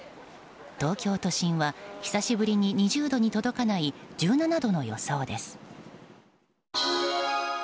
東京都心は久しぶりに２０度に届かない１７度の予想です。